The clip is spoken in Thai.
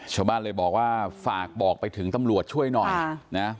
ชาวบ้านเลยบอกว่าฝากบอกไปถึงตำรวจช่วยหน่อยนะ